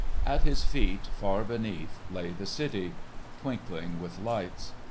At his feet, far beneath lay the city, twinkling with lights.